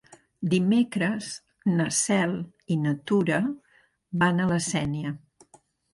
Dimecres na Cel i na Tura van a la Sénia.